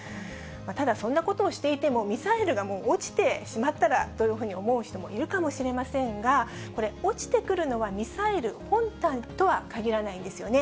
ただ、そんなことをしていても、ミサイルがもう落ちてしまったらというふうに思う人もいるかもしれませんが、これ、落ちてくるのはミサイル本体とはかぎらないんですよね。